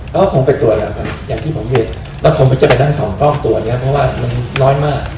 ก็คงไปตรวจแบบนี้อย่างที่ผมเรียนแล้วคงไม่จะไปดังสองกล้องตัวเนี้ยเพราะว่ามันน้อยมาก